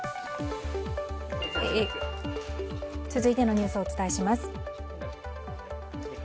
続いてのニュースをお伝えします。